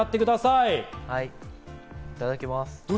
いただきます。